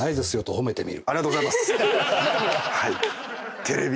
「褒めてみる」！